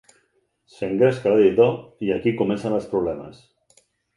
S'engresca l'editor—, i aquí comencen els problemes.